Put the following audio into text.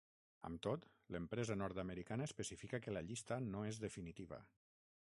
Amb tot, l’empresa nord-americana especifica que la llista no és definitiva.